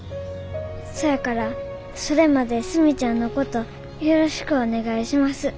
そやからそれまでスミちゃんのことよろしくおねがいします。